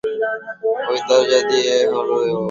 ঐ দরজা দিয়ে হলওয়ে ধরে সিঁড়িতে চলে যাবে।